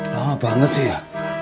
lama banget sih ya